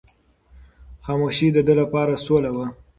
خاموشي د ده لپاره سوله وه.